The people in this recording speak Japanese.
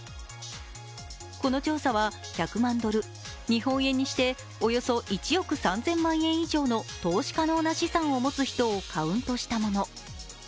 この調査は１００万ドル、日本円にしておよそ１億３０００万円以上の投資可能な資産を持つ人をカウントしたもの。